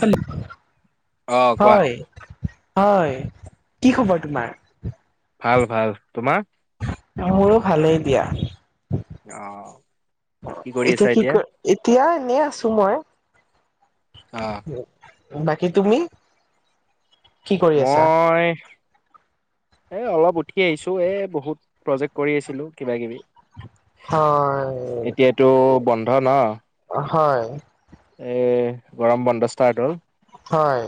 Hello! অ কোৱা হয় হয় কি খবৰ তোমাৰ? ভাল ভাল, তোমাৰ? মোৰো ভালেই দিয়া, অ অহ কি কৰি এতিয়া আছা কি কৰি এতিয়া এনেই আছোঁ মই, অ বাকী তুমি? কি কৰি আছা মই এই অলপ উঠি আহিছোঁ, এই বহুত প্ৰজেক্ট কৰি আছিলোঁ কিবা কিবি। হয় এতিয়াতো বন্ধ ন'? অ' হয়। এ গৰম বন্ধ ষ্টাৰ্ট হ'ল। হয়।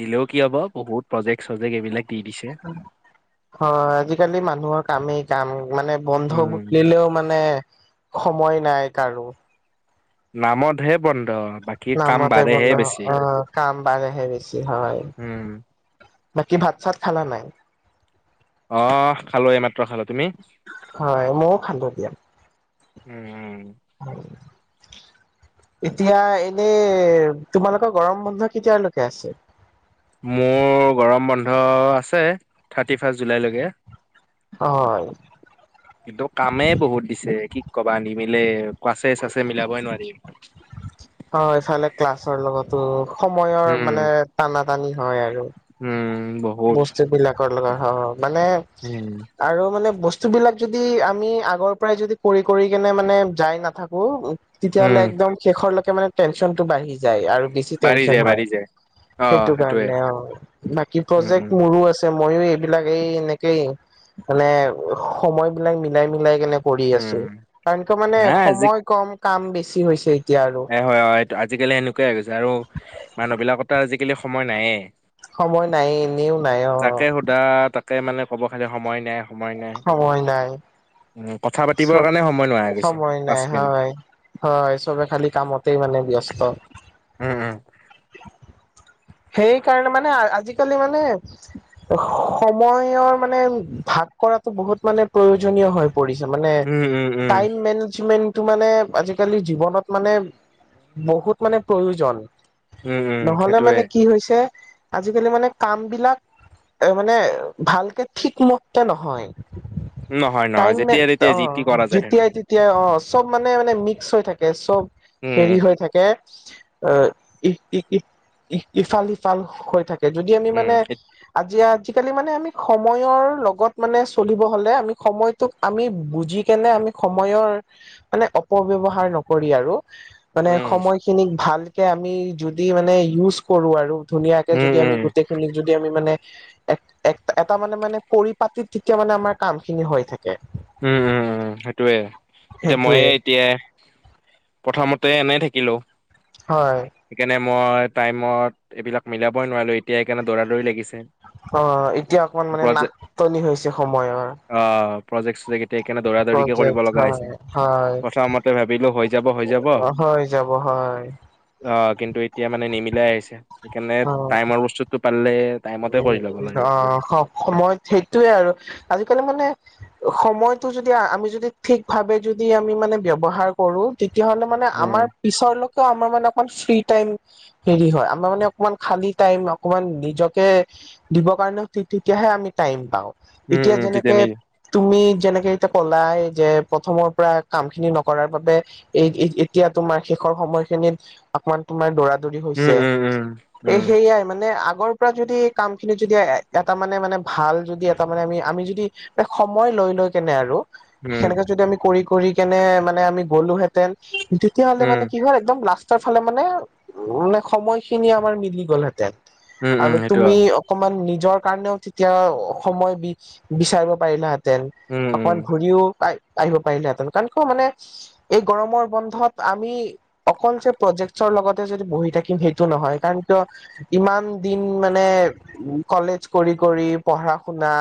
দিলেও কি হ'ব বহুত প্ৰজেক্ট-চজেক্ট এইবিলাক দি দিছে। [inaudible] অ আজিকালি মানুহৰ কামেই কাম মানে উম বন্ধলিলেও মানে সময় নাই কাৰো। নামত হে বন্ধ, বা নামতে বন্ধ, অ' কাম বাঢহে বেছি হয়। উম বাকী ভাত-চাত খালা নাই? অ' খালো এইমাত্ৰ খালো। তুমি? হয়, মইও খালো দিয়া। উম। [inaudible] এতিয়া এনেই তোমালোকৰ গৰম বন্ধ কেতিয়ালৈকে আছে? মোৰ গৰম বন্ধ আছে থাৰ্টি ফাৰ্ষ্ট জুলাইলৈকে। হয়। কিন্তু কামে বহুত দিছে কি কবা নিমিলে, ক্লাছে-চাছে মিলাবই নোৱাৰিম। হয় চালে ক্লাছৰ লগতো সময়ৰ উম মানে টানা টানি হয় আৰু। উম ব বস্ত বিলাকৰ লগত হয়। মানে উম। আৰু মানে বস্তু বিলাক যদি আমি আগৰ পৰাই যদি কৰি কৰি কেনে মানে যাই নাথাকো তেতিয়াহ'লে উম। একদম শেষৰলৈকে মানে টেনচনটো বাঢ়ি যায় আৰু বাঢ়ি টেন্সন যায় হয় বাঢ়ি যায় অ সেইটো সেইটোয়ে। কাৰনে অ'। বাকী উম প্ৰজেক্ট উম। মু ৰো আছে, মই এইবিলাক এই এনেকেই মানে সময় বিলাক মিলাই মিলাই কিনে কৰি উম আছো। কাৰন কিয় মানে নাই আজি সময় কম কাম বেছি হৈছে এতিয়া আৰু। হয় হয় আজিকালি সেনেকুৱাই হৈ গৈছে, আৰু মানুহ বিলাকৰ তো আজিকালি সময় নাইয়েই। সময় নাই এনেও নাই অ'। তে মানে কব খালী সময় নাই সময় নাই। সময় নাই। উম, কথা পাতিবৰ চব কাৰণে সময় নোহোৱা হৈ গৈছে সময় পাঁচ নাই, মিনিট হয়। হয়, চবে খালি কামতেই মানে ব্যস্ত। উম উম সেইকাৰণে মানে, আজিকালি মানে সময়ৰ মানে, ভাগ কৰাটো বহুত মানে, প্ৰয়োজনীয় হয়। পৰিছে মানে, উম উম উম। টাইম মেনেজমেণ্ট টো মানে, আজিকালি জীৱনত মানে, বহুত মানে প্ৰয়োজন। উম উম নহ'লে সেইটোয়ে মানে কি হৈছে, আজি কালি মানে কাম বিলাক এ মানে, ভালকে ঠিকমতে নহয়। নহয় নহয় টাইম মেন যেতিয়া তেতিয়া যি অ', টি কৰা যায় থাকে যেতিয়াই তেতি তিয়া অ', চব মানে, মানে মিক্স হৈ থাকে, চব উম হেৰি হৈ থাকে। অ', [unintelligible] ইফাল-সিফাল হৈ থাকে, যদি আমি মানে উম। আজি, আজিকালি মানে, আমি সময়ৰ লগত মানে চলিব হ'লে, আমি সময় তত আমি বুজি কেনে, আমি সময়ৰ মানে, অপব্যৱহাৰ নকৰি আৰু। মানে উম, সময়খিনিক ভালকে, আমি যদি মানে ইউজ কৰো আৰু। ধুনীয়াকে উম, যদি, আমি উম, গোটেইখিনিক যদি, আমি মানে এক, এক এটা মানে মানে, পৰিপাতিত তেতিয়া মানে, আমাৰ কামখিনি হৈ থাকে। উম, উম, উম, সেইটোয়ে, এতিয়া সেইটোয়ে ময়েই এতিয়া, প্ৰথমতে এনে থাকিলো। হয়। সেইকাৰণে, মই টাইমত এইবিলাক মিলাবই নোৱাৰিলো, এতিয়া সেইকাৰণে, দৌৰা-দৌৰি লাগিছে। অ', এতিয়া অকমান প্ৰজে নাটনি হৈছে সময়ৰ। অ', প্ৰজেক্ট-চজেকট এ এতিয়া, সেই কাৰণে দৌৰা-দৌৰিকে প্ৰজেক্ট কৰিব লগা হয় হৈছে, হয় প্ৰথমতে ভাবিলো হৈ যাব, হৈ যাব। অ হৈ যাব হয়। অ', কিন্তু এতিয়া মানে নিমিলাই হৈছে, সেইকাৰণে, অ টাইমৰ বস্তুটো পালে অ', সময়ত সেইটোয়ে আৰু, আজিকালি মানে সময়টো যদি, আমি যদি, ঠিক ভাৱে, যদি আমি মানে ব্যৱহাৰ কৰো, তেতিয়া হ'লে, মানে আমাৰ উম, পিছলৈকে আমাৰ মানে, অকমান ফ্ৰী টাইম হেৰি হয়, আমাৰ মানে, অকমান খালি টাইম, অকমান নিজক কে দিব কাৰণে, তেতিয়াহে আমি টাইম পাওঁ, উম, এতিয়া উম, তেতিয়া যেনেকে নি তুমি, যেনেকে এতিয়া ক'লায় যে, প্ৰথমৰ পৰা কামখিনি নকৰাৰ বাবে এ এ এতিয়া তোমাৰ, শেষৰ সময়খিনিত অকমান তোমাৰ দৌৰা-দৌৰি উম, হৈছে, উম, উম, এই উম, সেইয়াই মানে আগৰ পৰা যদি, কামখিনি যদি, এটা মানে, মানে ভাল যদি, এটা মানে আমি, আমি যদি সময় লৈ, লৈ কেনে আৰু। উম, সেনেকে যদি, আমি কৰি, কৰি কেনে মানে, আমি গ'লোহেঁতেন তেতিয়াহ'লে উম, মানে কি হয়, একদম লাষ্টৰ ফালে মানে, উম, মানে সময়খিনি আমাৰ মিলি গ'লহেতেন। উম, উম, আৰু সেইটো তুমি, হয়। অকমান নিজৰ কাৰণেও, তেতিয়া সময় বি বিচাৰিব পাৰিলা হে তেন, উম, উম, অকমান ঘূৰিও আহিব পাৰিলাহেঁতেন, কাৰণ, কিয় মানে এই, গৰমৰ বন্ধত আমি অকল যে, প্ৰজেক্টচৰ লগতে যদি বহি থাকিম, সেইটো নহয়, কাৰণ কিয় ইমান দিন মানে, কলেজ কৰি, কৰি পঢ়া-শুনা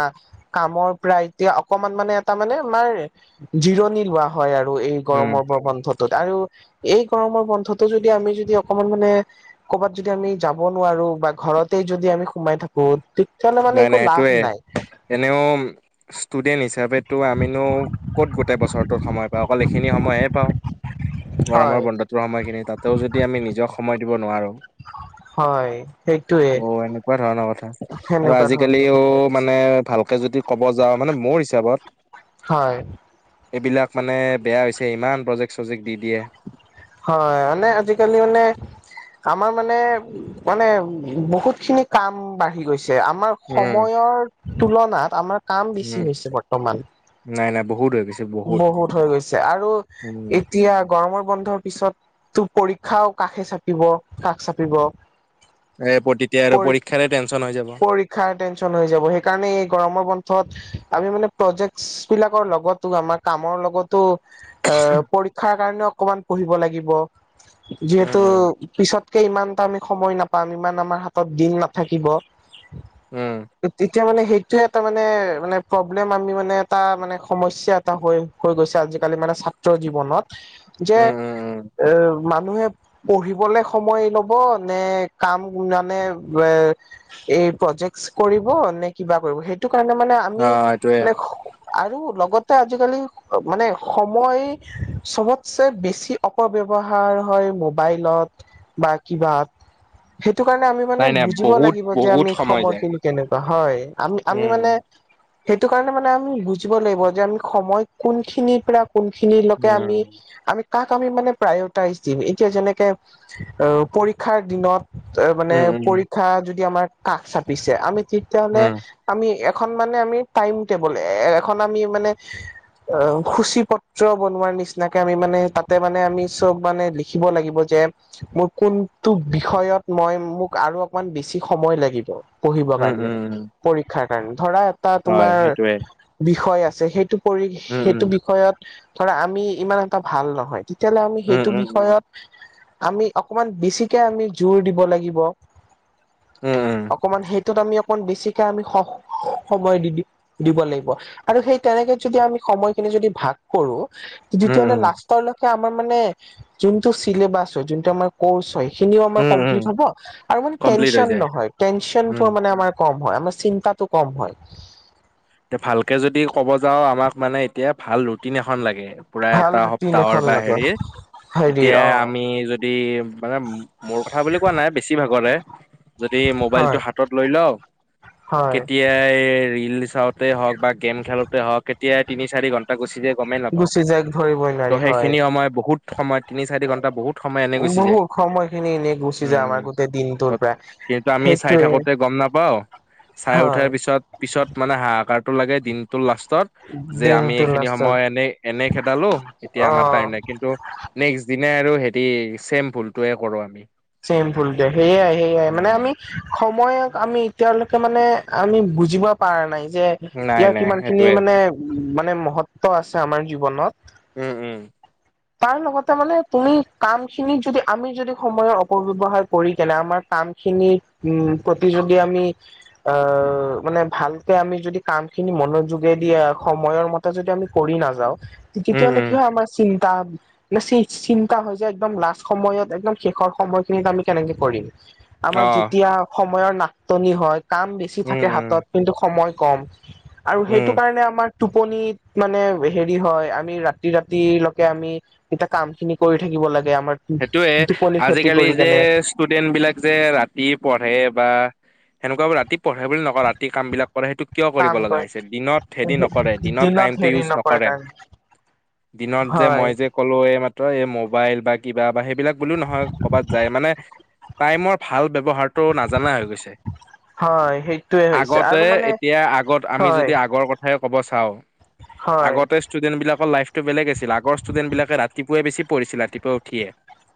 কামৰ পৰা এতিয়া, অকমান মানে, এটা মানে, আমাৰ জিৰণি লোৱা হয় আৰু, এই উম, গৰমৰ বন্ধটোত, আৰু এই গৰমৰ বন্ধটো যদি, আমি যদি অকমান মানে ক'ৰবাত যদি আমি যাব নোৱাৰো বা ঘৰতেই যদি আমি সোমাই থাকো তেতিয়াহ'লে নাই মানে নাই একো সেইটোয়ে। লাভ নাই। এনেও ষ্টুডেন্ট হিচাপেতো আমিনো ক'ত গোট টেই বছৰটোত সময় পাওঁ, অকল এইখিনি সময়হে পাওঁ গৰমৰ হয় বন্ধত। [unintelligible] সময়খিনি তাতেও যদি আমি নিজক সময় দিব নোৱাৰো। হয় সেইটোয়ে ত এনেকুৱা ধৰণৰ কথা। আৰু সেনেকুৱা ধৰণৰ আজিকালিও কথা হৈছে মানে ভালকে যদি ক'ব যাওঁ মানে মোৰ হিচাপত। হয়। এইবিলাক মানে বেয়া হৈছে ইমান প্ৰজেক্ট - চজেক্ট দি দিয়ে। হয় মানে আজিকালি মানে আমাৰ মানে মানে বহুতখিনি কাম বাঢ়ি গৈছে আমাৰ উম সময়ৰ তুলনাত আমাৰ কাম উম বেছি হৈছে বৰ্তমান। নাই নাই বহুত হৈ গৈছ বহুত হৈ গৈছে আৰু উম এতিয়া গৰমৰ বন্ধৰ পিছততো পৰীক্ষাও কাষে চাপিব, কাষ চাপিব। এ প তেতিয়া আৰু পৰীক্ষাৰে টেনশ্যন হৈ যাব। ক্ষাৰ টেনচন হৈ যাব সেইকাৰণে এই গৰমৰ বন্ধত আমি মানে প্ৰজেক্টচবিলাকৰ লগত টো আমাক কামৰ লগতো আ পৰীক্ষাৰ কাৰণেও অকমান পঢ়িব লাগিব। উম যিহেতু উম পিছত কে ইমানটা আমি সময় নাপাম, ইমান আমাৰ হাতত দিন নাথাকিব, উম এতে তিয়া মানে সেইটোৱে এটা মানে মানে প্ৰব্লেম আমি মানে এটা মানে সমস স্যা এটা হৈ হৈ গৈছে আজিকালি মানে ছাত্ৰ জীৱনত। যে উম উম উম এ মানুহে পঢ়িবলৈ সময় লব নে কাম মানে এ এই প্ৰজেক্টচ কৰিব নে কিবা কৰিব সেইটো কাৰণে মানে আমি অ এইটোয়ে মানে খো আৰু লগত ত আজিকালি মানে সময় চবতছে বেছি অপব্যৱ ৱহাৰ হয় মোবাইলত বা কিবা সেইটো কাৰণে আমি মানে নাই নাই বুজিব বহুত লাগিব যে বহুত আমি সময় যায় সময়খিনি কেনেকুৱা হয় আমি আমি উম মানে সেইটো কাৰণে মানে আমি বুজিব লাগিব যে আমি সময় কোনখিনিৰ পৰা উম, কোনখিনিলকে আমি আমি কাক আমি মানে প্ৰায়টাইজ দিম এতিয়া যেনেকে ও পৰীক্ষাৰ দিনত অ মানে উম, উম, পৰীক্ষা যদি আমাৰ কাষ চাপিছে আমি তেতিয়া হ'লে উম, আমি এখন মানে আমি টাইম টেবুল এ এখন আমি মানে অ সূচীপত্ৰ বনোৱাৰ নিচিনাকে আমি মানে তাতে মানে আমি চব মানে লিখিব লাগিব যে মোৰ কোনটো বিষয়ত মই মোক আৰু অকমান বেছি সময় লাগিব? পঢ়িব উম, কাৰণে উম, উম, পৰীক্ষাৰ কাৰণে ধৰা এটা হয় তোমাৰ সেইটোৱে। বিষয় আছে সেই কৰি উম, উম, সেইটো বিষয়ত ধৰা আমি ইমান এটা ভাল নহয় তেতিয়াহ'লে আমি উম, সেইটো উম, বিষয়ত আমি অকমান বেছিকে আমি জোৰ দিব লাগিব। উম, অকমান সেইটোত আমি অকন বেছিকে আমি স সময় দি দি দিব লাগিব আৰু সেই তেনেকে যদি আমি সময়খিনি যদি ভাগ কৰো ত উম, উম, তেতিয়াহলে উম, লাষ্ট টলৈকে আমাৰ মানে যোনটো চিলেবাছ হয় যোনটো আমাৰ কৰ্চ হয় সিখিনিও আমাৰ উম, উম, উম, কমপ্লিট হব আৰু মানে কমপ্লিট হৈ টেঞ্চন যায়। নহয়, উম, টেঞ্চনটো মানে আমাৰ কম হয়, আমাৰ চিন্তাটো কম হয়। তে ভালকে যদি ক'ব যাওঁ আমাক মানে এতিয়া ভাল ৰুটিন এখন লাগে। পুৰা ভাল এটা ৰুটিন সপ্তাহৰ এখন বা লাগে হেৰি হেৰিৰ এতিয়া অ আমি য দি মানে মোৰ কথা বুলি কোৱা নাই বেছি ভাগৰে যদি মবাইলটো হয় হা তত লৈ লও হয় কেতিয়া এ ৰীলচে হওক বা গেম খেলতে হওক কেতিয়া তিনি চাৰি ঘ ণ্টা গুচি যায় গমেই নাপাওঁ গুচি যাই ধৰিবই ত নোৱাৰি হয় সেইখিনি সময় বহুত সময় তিনি চাৰি ঘন্টা বহুত সময় এনে গুচি যায় বহুত সময়খিনি এনেই গুচি যায় উম আমাৰ গোটেই দিনটোৰ পৰা কিন্তু আমি চাই সেইটোৱে থাকোতে গম না পাওঁ চাই উঠাৰ হয় পিছত, পিছত মানে হাহাকাৰটো লাগে দিনটো লাষ্টত যে আমি দিনটো এইখিনি লাষ্টত সময় এনে এনে খেদালো এতিয়া অ আমাৰ টাইম নাই কিন্তু নেক্সট দিনাই আৰু হেৰি চেম ভুলটোৱে কৰো আমি। চেম ভুলটোৱে সেইয়াই সেইয়াই মানে উম, আমি সময়ক আমি এতিয়ালৈকে মানে আমি বুজিব পৰা নাই যে নাই ইয়াৰ নাই কিমান খিনি সেইটোৱে মানে, মানে মহত্ব আছে আমাৰ জীৱনত। উম উম তাৰ লগতে মানে তুমি কাম খিনিত যদি আমি যদি সময়ত অপব্যৱহাৰ কৰি কেনে আমাৰ কাম খিনি উম প্ৰতি যদি আমি অ মানে ভালকে আমি যদি কাম খিনি মনোযোগে দি সময়ৰ ম তে যদি আমি কৰি নাযাও উম তেতিয়া হলে উম কিহৰ আমাৰ চি ন্তা, চিন্তা হয় যে একদম লাষ্ট সময়ত একদম শেষৰ সময় খিনিত আমি কেনেকে কৰিম আমাৰ অ যেতিয়া সময়ৰ নাটনি হয় কাম বে ছি উম থাকে হাতত উম কিন্তু সময় কম আৰু উম। সেইটো কাৰণে আমাৰ টোপনিত মানে হেৰি হয় আমি ৰাতি ৰাতিলৈকে আমি এতিয়া কাম খিনি কৰি থাকিব লাগে আমাৰ সেইটোয়ে টোপনি আজি ক্ষতি কালি কৰি যে কেনে ষ্টুডেন্ট বিলাক যে ৰাতি পঢ়ে বা সেনেকুৱা ৰাতি পঢ়ে বুলি নকওঁ ৰাতি কামবিলাক কৰে সেইটো কিয় কৰিব কাম লগা কৰে হৈছে দিনত হেৰি নকৰে দিনত টাইমটো ইউজ নকৰে [inaudible] দিনত যে হয় মই যে কলো এই মাত্ৰ এই মোবাইল বা কিবা বা সেইবিলাক কোনো নহয় কৰ'বাত যায় মানে টাইমৰ ভাল ব্যৱহাৰটো নাজানা হৈ গৈছে। হয় সেইটোয়ে হৈছে আগতে আৰু মানে এতিয়া আগত আমি হয় যদি আগৰ ক থাই কব চাওঁ হয় আগতে ষ্টুডেট লাইফটো বেলেগ আছিল আগৰ ষ্টুডেণ্ট বিলাকে বেছি পঢ়িছিল ৰাতিপুৱা উঠিয়ে।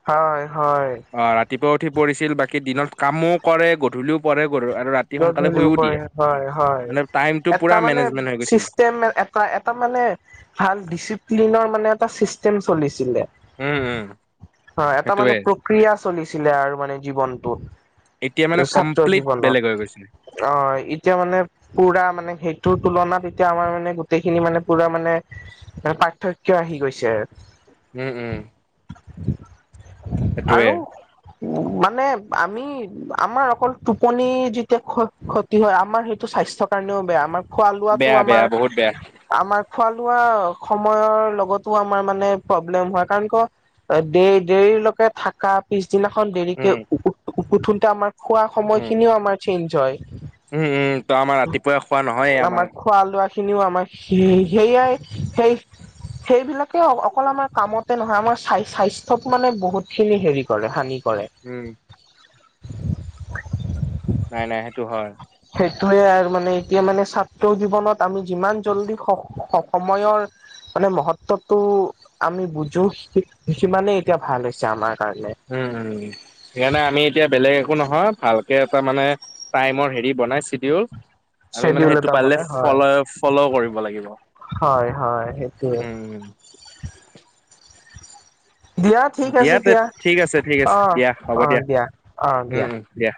হয় হয়। অ ৰাতিপুৱা উঠি পঢ়িছিল বাকী দিনত কামো কৰে গধূলিও পঢ়ে গধ আৰু ৰাতি সোনকালে গধূলিও শুইও কৰে দিয়ে হয় হয় মানে টাইমটো পুৰা এটা মানে মেনেজমেন্ট হৈ গৈছিল চিষ্টেম এ নেকুৱা এটা মানে ভাল ডিচিপ্লিনৰ মানে এটা চিষ্টেম চলিছিলে। উম উম অ এটা মানে সেইটোয়ে প্ৰক্ৰিয়া চলিছিলে আৰু মানে জীৱনটো। এতিয়া মানে ছাত্ৰ কমপ্লিট বেলেগ জীৱনত। গৈছে অ এতিয়া মানে পুৰা মানে সেইটোৰ তুলনাত এতিয়া আমাৰ মানে গোটেইখিনি মানে পুৰা মানে এটা পাৰ্থক্য আহি গৈছে। উম উম সেইটোয়ে আৰু উম মানে আমি আমাৰ অকল টোপনি যে তিয়া ক্ষতি হয় আমাৰ সেইটো স্বাস্থ্যৰ কাৰণেও বেয়া আমাৰ খোৱা লোৱাটো বেয়া আমাৰ বেয়া বহুত বেয়া আমাৰ খোৱা লোৱা সময়ৰ লগতো আমাৰ মানে প্ৰব্লেম হয়। কাৰণ ক'ৰ দে দেৰিলৈকে থাকাত পিছদিনাখন দেৰিকে উম উ উঠোতে আমাৰ খোৱা উম সময়খিনিও আমাৰ চেঞ্জ হয়। উম, উম, আমাৰ ৰাতিপুৱাই খোৱা নহয় আমাৰ। খোৱা লোৱা খিনিও আমাৰ হেয়াই সেই সেইবিলাকে অকল আমাৰ কামতে নহয়, আমাৰ স্বাস্থ্যত মানে বহুত খিনি হেৰি কৰে হানি কৰে। উম। নাই নাই সেইটো হয়। সেইটোয়ে আৰু মানে এতিয়া মানে ছাত্ৰ জীৱনত আমি যিমান জল্দি স স সময়ৰ মানে মহত্বতটো আমি বুজো। সিমানেই এতিয়া ভাল হৈছে আমাৰ কাৰণে। উম, উম। সেইকাৰণে আমি এতিয়া বেলেগ একো নহয়, ভালকে এটা মানে টাইমৰ হেৰি বনাই চিডিউল আমি মানে চেডিউল সেইটো এটা পাৰিলে বনাই হয় ফ্লয়ে ফ্লৌ কৰিব লাগিব। হয়, হয় সেইটোৱে। উম উম দিয়া ঠিক দিয়া আছে তে ঠিক আছে, ঠিক আছে অ দিয়া, হ'ব দিয়া, উম, উম, দিয়া।